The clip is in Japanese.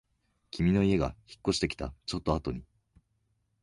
君の家が引っ越してきたちょっとあとに